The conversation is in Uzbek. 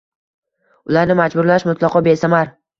Ularni majburlash mutlaqo besamar.